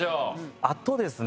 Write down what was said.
あとですね